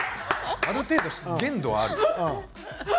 ある程度限度はあるよ。